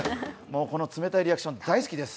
この冷たいリアクション大好きです。